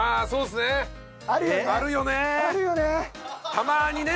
たまにね！